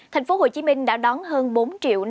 thành phố hồ chí minh đã đón hơn bốn triệu năm triệu đồng